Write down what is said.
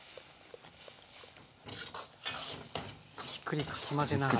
じっくりかき混ぜながら。